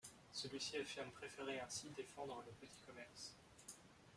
Celui-ci affirme préférer ainsi défendre le petit commerce.